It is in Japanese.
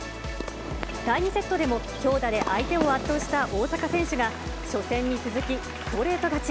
第２セットでも強打で相手を圧倒した大坂選手が、初戦に続きストレート勝ち。